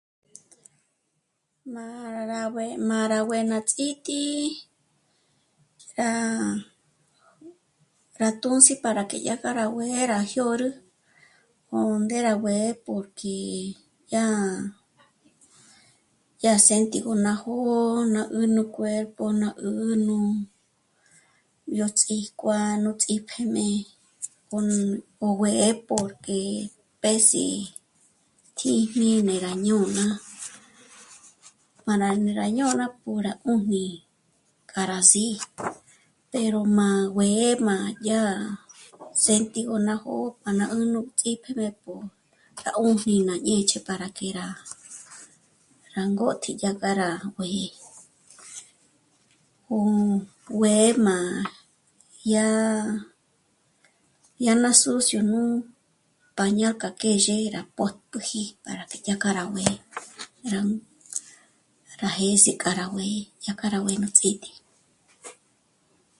Má rá b'uë́'ë... má rá b'uë́'ë ná ts'íti, rá tǔndzi para dyà que rá b'uë́'ë à jyôrü 'ó ngéra b'uë́'ë porque yá... yá séntigö ná jó'o 'ǜjnü cuerpo ná 'ǘ'ü nú... yó ts'íjkuá'a, yó ts'ípjíjme 'ón b'uë́'ë porque pés'i kjíjmi né rá ñôna. Para ndé rá ñôna p'o rá 'ùjni k'a rá sí'i pero má b'uë́'ë má yá séntigö ná jó'o para 'ùnü ts'ítimérpo k'a 'ùbi ñá ñêch'e k'a para que rá ngôt'i dyà k'a rá b'uë́'ë. 'ó 'uë́'ë má yá ná sucio nù... pañal k'a kjèzhe rá pòjtüji para que dyà k'a rá 'uë́'ë, rá jês'e k'a rá 'uë́'ë, dyà k'a rá 'uë́'ë nú ts'íti